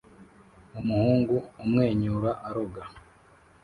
Umuhungu umwenyura aroga